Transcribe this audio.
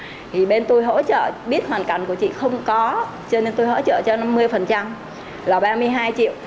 thì bên tôi hỗ trợ biết hoàn cảnh của chị không có cho nên tôi hỗ trợ cho năm mươi là ba mươi hai triệu